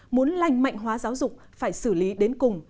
muốn lành mạnh hóa giáo dục phải xử lý đến cùng